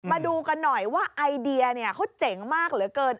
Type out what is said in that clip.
มาดูกันหน่อยว่าไอเดียเขาเจ๋งมากเหลือเกิน